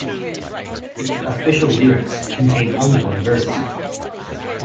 The official lyrics contain only one verse.